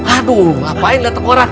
aduh ngapain lah tukarak